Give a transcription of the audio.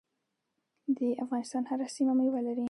د افغانستان هره سیمه میوه لري.